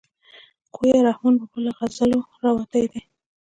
ګویا رحمان بابا له غزلو راوتی دی.